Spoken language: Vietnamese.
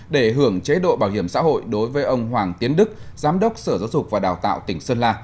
để hưởng chế độ bảo hiểm xã hội đối với ông hoàng tiến đức giám đốc sở giáo dục và đào tạo tỉnh sơn la